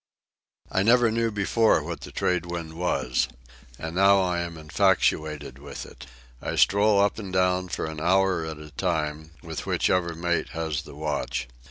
I never knew before what the trade wind was. And now I am infatuated with it. I stroll up and down for an hour at a time, with whichever mate has the watch.